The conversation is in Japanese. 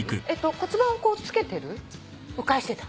骨盤をこうつけてる？浮かしてた。